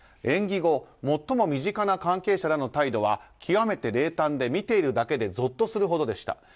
演技後最も身近な関係者らの態度は極めて冷淡で、見ているだけでゾッとするほどでした。